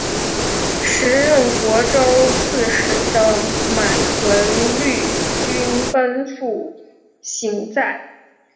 时任虢州刺史的满存率军奔赴行在。